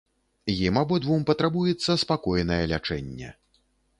Ім абодвум патрабуецца спакойнае лячэнне.